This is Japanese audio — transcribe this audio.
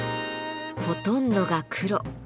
ほとんどが黒。